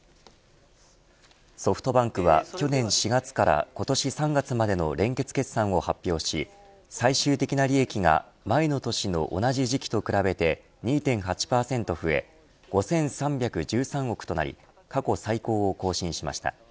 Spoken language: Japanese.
ソフトバンクは去年４月から今年３月までの連結決算を発表し最終的な利益が前の年の同じ時期と比べて２．８％増え５３１３億となり過去最高を更新しました。